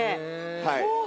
はい。